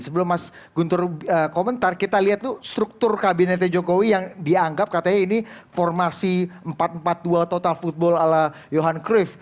sebelum mas guntur komentar kita lihat tuh struktur kabinetnya jokowi yang dianggap katanya ini formasi empat empat dua total football ala johan kruif